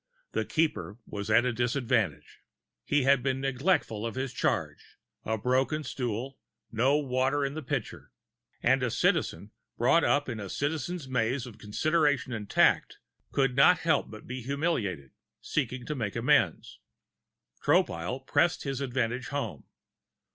The Keeper was at a disadvantage. He had been neglectful of his charge a broken stool, no water in the pitcher. And a Citizen, brought up in a Citizen's maze of consideration and tact, could not help but be humiliated, seeking to make amends. Tropile pressed his advantage home.